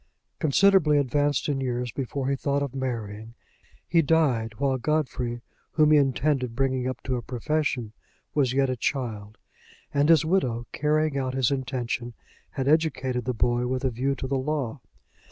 Considerably advanced in years before he thought of marrying, he died while Godfrey, whom he intended bringing up to a profession, was yet a child; and his widow, carrying out his intention, had educated the boy with a view to the law.